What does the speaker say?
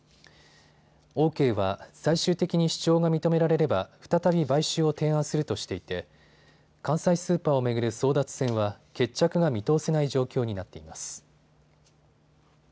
オーケーは最終的に主張が認められれば再び買収を提案するとしていて関西スーパーを巡る争奪戦は決着が見通せない状況になっています。